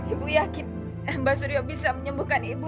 ibu yakin mbak suryo bisa menyembuhkan ibu